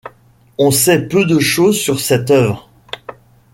On sait peu de choses sur cette œuvre.